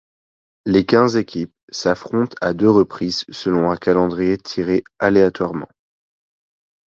Les quinze équipes s'affrontent à deux reprises selon un calendrier tiré aléatoirement.